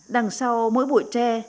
đằng sau mỗi bụi tre